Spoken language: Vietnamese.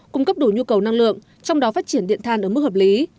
cung cấp đủ nhu cầu năng lượng trong đó phát triển điện than ở mức hợp lý